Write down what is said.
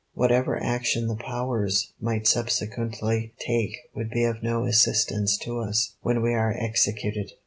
Whatever action the Powers might subsequently take would be of no assistance to us when we are executed."